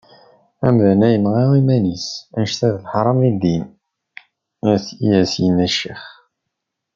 Amdan-a yenɣa iman-is, annect-a d leḥram deg ddin, i as-yenna ccix.